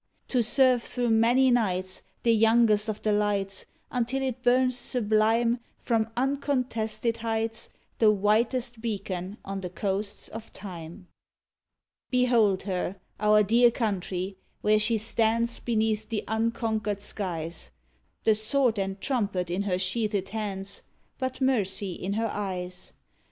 To serve thro' many nights The youngest of the Lights Until it burns sublime From uncontested heights — The whitest beacon on the coasts of Time I Behold her, our dear country, where she stands Beneath the unconquered skies, The sword and trumpet in her sheathed hands, But mercy in her eyes!